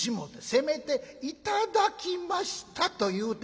せめて『いただきました』と言うてくれ」。